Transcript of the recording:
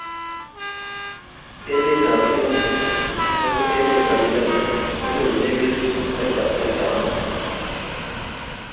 Emetab Kenya ako emetab Uganda konyorunee kelchin oretab gariitab maat.